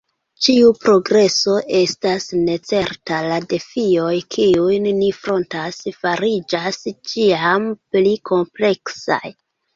Ĉiu progreso estas necerta; la defioj, kiujn ni frontas, fariĝas ĉiam pli kompleksaj.